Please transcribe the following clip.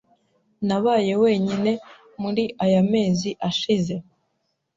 Nabaye wenyine muri aya mezi ashize.